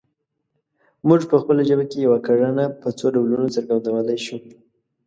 موږ په خپله ژبه کې یوه کړنه په څو ډولونو څرګندولی شو